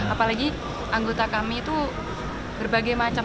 apalagi anggota kami itu berbagai macam